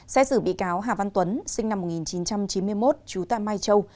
xét xử bị cáo hà văn tuấn sinh năm một nghìn chín trăm chín mươi một trú tại mai châu